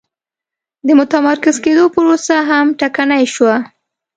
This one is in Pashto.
د متمرکز کېدو پروسه هم ټکنۍ شوه.